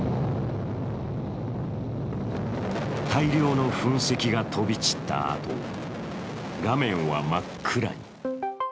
大量の噴石が飛び散ったあと、画面は真っ暗に。